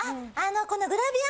このグラビア。